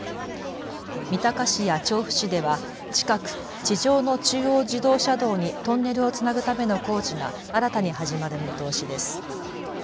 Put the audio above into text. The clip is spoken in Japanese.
三鷹市や調布市では近く地上の中央自動車道にトンネルをつなぐための工事が新たに始まる見通しです。